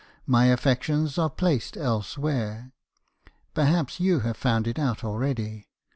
— my affections are placed elsewhere. Perhaps you have found ft out already?'